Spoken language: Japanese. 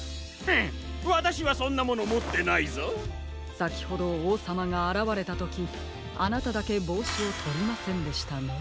さきほどおうさまがあらわれたときあなただけぼうしをとりませんでしたね。